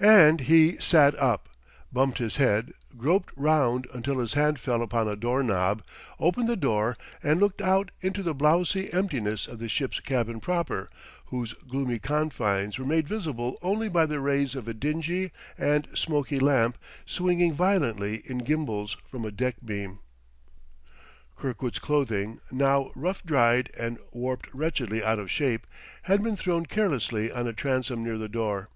And he sat up, bumped his head, groped round until his hand fell upon a doorknob, opened the door, and looked out into the blowsy emptiness of the ship's cabin proper, whose gloomy confines were made visible only by the rays of a dingy and smoky lamp swinging violently in gimbals from a deck beam. Kirkwood's clothing, now rough dried and warped wretchedly out of shape, had been thrown carelessly on a transom near the door.